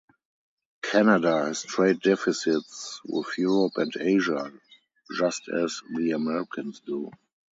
Canada has trade deficits with Europe and Asia, just as the Americans do.